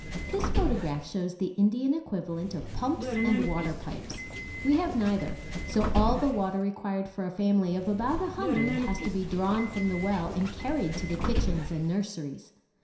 This photograph shows the Indian equivalent of pumps and water pipes. We have neither; so all the water required for a family of about a hundred has to be drawn from the well and carried to the kitchens and nurseries.